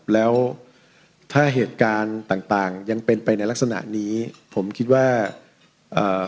แล้วถ้าเหตุการณ์ต่างต่างยังเป็นไปในลักษณะนี้ผมคิดว่าเอ่อ